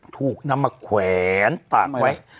ถูกนำมาแขวนตากไว้